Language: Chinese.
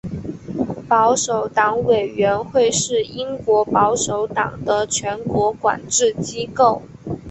保守党委员会是英国保守党的全国管制机构。